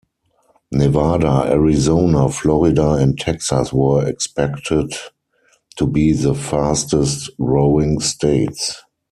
Nevada, Arizona, Florida, and Texas were expected to be the fastest-growing states.